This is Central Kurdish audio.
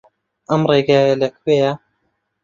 ئەم ڕێگایە لەکوێیە؟